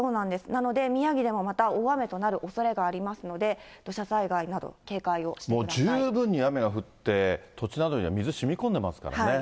なので、宮城でもまた大雨となるおそれがありますので、土砂災害もう十分に雨が降って、土地などには水しみ込んでますからね。